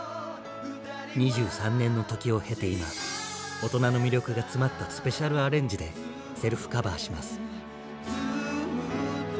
２３年の時を経て今大人の魅力が詰まったスペシャル・アレンジでセルフカバーします。